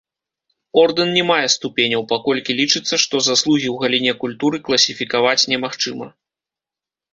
Ордэн не мае ступеняў, паколькі лічыцца, што заслугі ў галіне культуры класіфікаваць немагчыма.